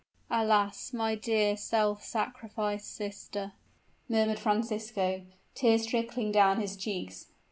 "Alas! my dear self sacrificed sister," murmured Francisco, tears trickling down his cheeks.